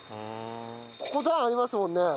ここ段ありますもんね。